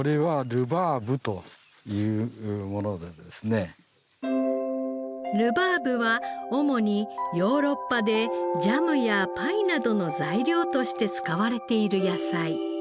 ルバーブは主にヨーロッパでジャムやパイなどの材料として使われている野菜。